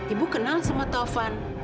ibu kenal sama taufan